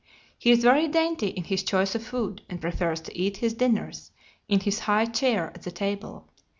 He is very dainty in his choice of food, and prefers to eat his dinners in his high chair at the table.